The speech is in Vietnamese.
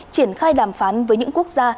triển khai đàm phán với những quốc gia